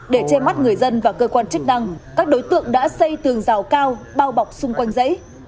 để che mắt người dân và cơ quan chức năng các đối tượng đã xây tường rào cao bao bọc xung quanh giấy